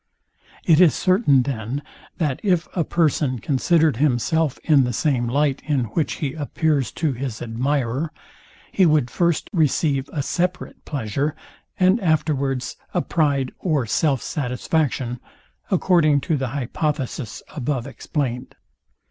It is certain, then, that if a person considered himself in the same light, in which he appears to his admirer, he would first receive a separate pleasure, and afterwards a pride or self satisfaction, according to the hypothesis above explained.